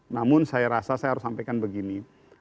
namun saya rasa saya harus sampaikan begini